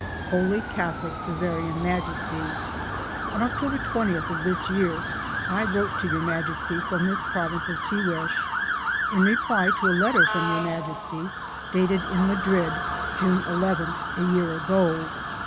Holy Catholic Cssarian Majesty : On April 20 of this year I wrote to Your Maj esty from this province of Tiguex, in reply to a letter from Tour Majesty dated in Ma drid, June 11 a year ago.